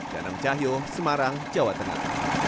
danang cahyo semarang jawa tengah